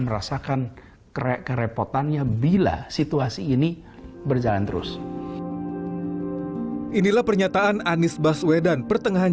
merasakan kerepotannya bila situasi ini berjalan terus inilah pernyataan anies baswedan pertengahan